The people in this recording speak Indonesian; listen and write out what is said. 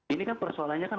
ini kan persoalannya kan